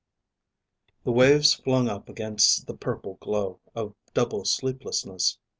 A. The waves flung up against the purple glow of double sleeplessness.